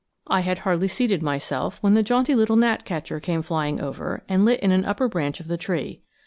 I had hardly seated myself when the jaunty little gnatcatcher came flying over and lit in an upper branch of the tree.